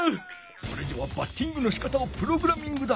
それではバッティングのしかたをプログラミングだ。